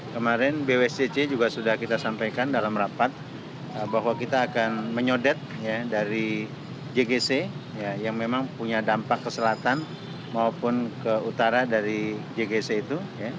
kemarin bwscc juga sudah kita sampaikan dalam rapat bahwa kita akan menyodet dari jgc yang memang punya dampak ke selatan maupun ke utara dari jgc itu